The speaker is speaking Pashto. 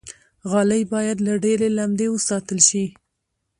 غالۍ باید له ډېرې لمدې وساتل شي.